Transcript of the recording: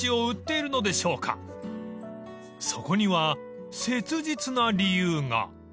［そこには切実な理由が］